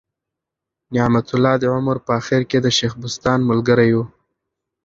نعمت الله د عمر په آخر کي د شېخ بستان ملګری ؤ.